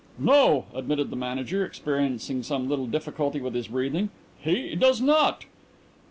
"No," admitted the Manager, experiencing some little difficulty with his breathing, "he does not."